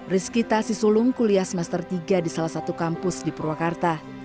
rizki tasi sulung kuliah semester tiga di salah satu kampus di purwakarta